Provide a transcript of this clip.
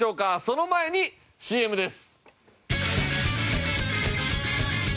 その前にＣＭです。